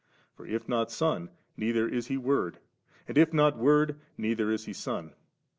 For if not Son, neither is He Word; and if not Word, neither is He Son.